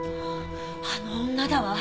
あの女だわ。